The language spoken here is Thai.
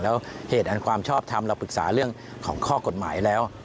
แล้วเหตุอันความชอบทำเราปรึกษาเรื่องของข้อกฎหมายแล้ว